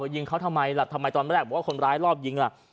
ยิงเขาทำไมล่ะทำไมตอนแรกบอกว่าคนร้ายรอบยิงล่ะ